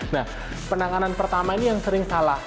nah penanganan pertama ini yang sering salah